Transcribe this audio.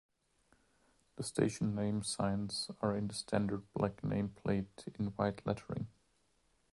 The station name signs are in the standard black name plate in white lettering.